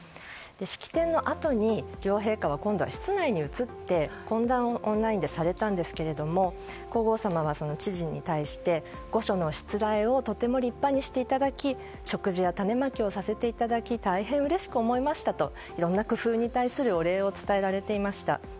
式典のあとに両陛下は室内に移って懇談をオンラインでされたんですが皇后さまは知事に対して御所のしつらえをとても立派にしていただき植樹や種まきをさせていただき大変うれしく思いましたといろんな工夫に対するお礼を伝えられていました。